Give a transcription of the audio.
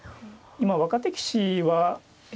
今若手棋士はえ